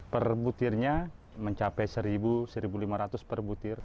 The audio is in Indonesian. per butirnya mencapai seribu seribu lima ratus per butir